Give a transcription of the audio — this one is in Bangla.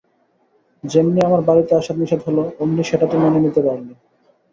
যেমনি আমার বাড়িতে আসা নিষেধ হল অমনি সেটা তো মেনে নিতে পারলে!